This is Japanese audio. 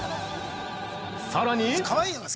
さらに！